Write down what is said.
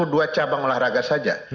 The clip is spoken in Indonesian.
dua cabang olahraga saja